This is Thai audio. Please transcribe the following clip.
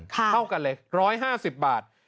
เท่ากันเลย๑๕๐บาท